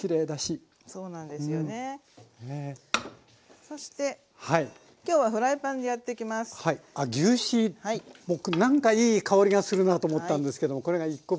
僕なんかいい香りがするなと思ったんですけどもこれが１コ分。